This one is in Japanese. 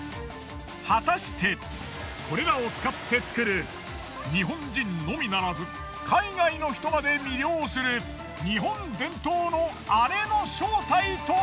果たしてこれらを使って作る日本人のみならず海外の人まで魅了する日本伝統のアレの正体とは！？